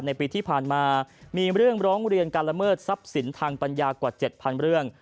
ในปีที่ผ่านมามีเรื่องร้องเรียนการละเมิดทรัพย์สินทางปัญญากว่า๗๐๐เรื่อง